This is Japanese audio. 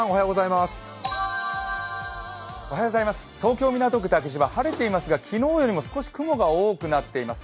東京・港区竹芝、晴れていますが、昨日よりも少し雲が多くなっています。